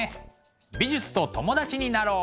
美術と友達になろう！